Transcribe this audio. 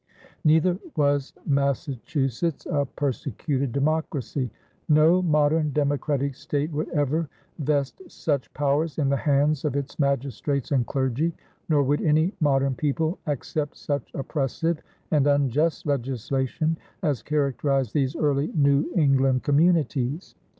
Neither was Massachusetts a persecuted democracy. No modern democratic state would ever vest such powers in the hands of its magistrates and clergy, nor would any modern people accept such oppressive and unjust legislation as characterized these early New England communities.